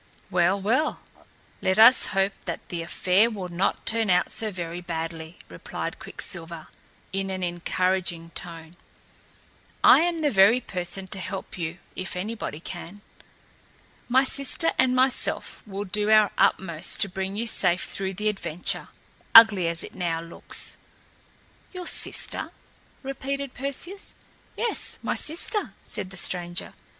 "Well, well, let us hope that the affair will not turn out so very badly," replied Quicksilver in an encouraging tone. "I am the very person to help you, if anybody can. My sister and myself will do our utmost to bring you safe through the adventure, ugly as it now looks." "Your sister?" repeated Perseus. "Yes, my sister," said the stranger.